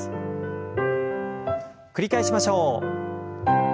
繰り返しましょう。